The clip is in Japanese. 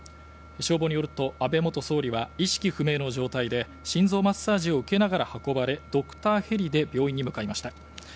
消防によると、安倍元総理は意識不明の状態で心臓マッサージを受けながら運ばれドクターヘリで病院に向かいました。